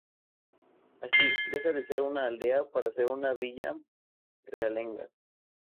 Así, deja de ser una aldea para ser una villa realenga.